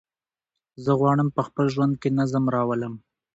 زه غواړم په خپل ژوند کې نظم راولم.